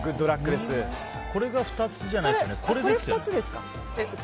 これが２つじゃないですよね？